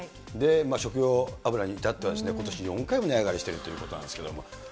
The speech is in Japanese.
食用油にいたっては、ことし４回も値上がりしてるということなんですけれども。